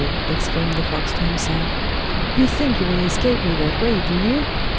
exclaimed the fox to himself, 'you think you will escape me that way, do you?